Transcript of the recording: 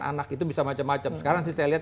anak itu bisa macam macam sekarang sih saya lihat